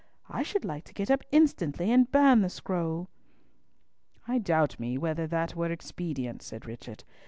I should like to get up instantly and burn the scroll." "I doubt me whether that were expedient," said Richard.